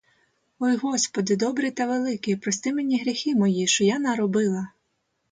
Ой господи, добрий та великий, прости мені гріхи мої, що я наробила!